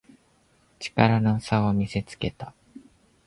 力の差を見せつけた